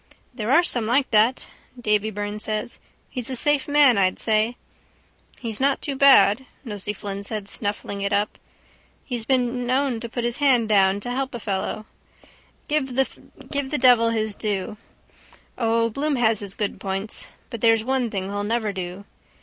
—There are some like that, Davy Byrne said. He's a safe man, I'd say. —He's not too bad, Nosey Flynn said, snuffling it up. He's been known to put his hand down too to help a fellow. Give the devil his due. O, Bloom has his good points. But there's one thing he'll never do.